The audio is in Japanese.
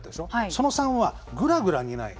その３はぐらぐら煮ない。